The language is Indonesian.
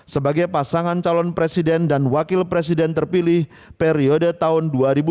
sebagai pasangan calon presiden dan wakil presiden terpilih periode tahun dua ribu sembilan belas dua ribu dua puluh empat